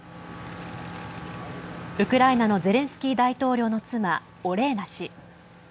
ウクライナのゼレンスキー大統領の妻オレーナ氏。